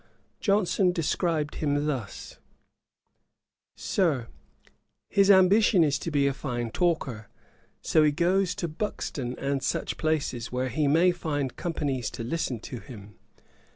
Johnson described him thus: 'Sir, his ambition is to be a fine talker; so he goes to Buxton, and such places, where he may find companies to listen to him.